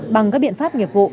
bằng các biện pháp nghiệp vụ